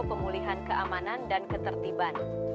pemulihan keamanan dan ketertiban